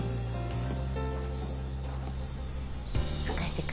・深瀬君